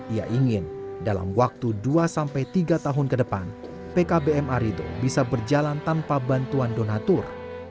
ia ingin dalam waktu dua sampai tiga tahun ke depan pkbm arido bisa berjalan tanpa bantuan donatur